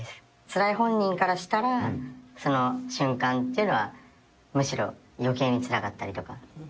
つらい本人からしたら、その瞬間っていうのはむしろよけいに辛かったりとか。